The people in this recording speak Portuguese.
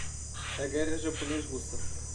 A Guerra Japonês-Russa